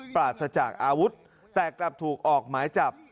ปราศจากอาวุธแต่กลับถูกออกหมายจับ